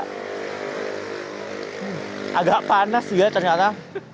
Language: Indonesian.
hmm agak panas sih ya ternyata